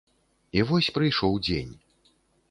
І вось прыйшоў дзень.